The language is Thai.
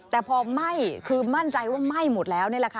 แต่พอไหม้คือมั่นใจว่าไหม้หมดแล้ว